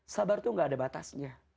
sabar itu gak ada batasnya